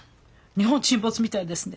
『日本沈没』みたいですね！」